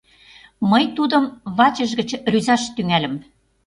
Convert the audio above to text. Мый тудым вачыж гыч рӱзаш тӱҥальым.